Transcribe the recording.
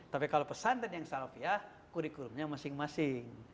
tapi kalau pesantren yang salafiyah kurikulumnya masing masing